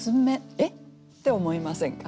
「えっ？」って思いませんか？